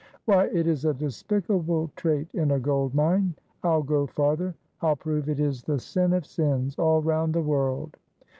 Why, it is a despicable trait in a gold mine. I'll go farther, I'll prove it is the sin of sins all round the world.